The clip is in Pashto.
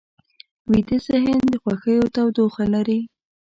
ویده ذهن د خوښیو تودوخه لري